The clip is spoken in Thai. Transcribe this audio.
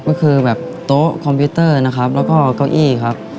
ก็คือแบบโต๊ะคอมพิวเตอร์นะครับแล้วก็เก้าอี้ครับ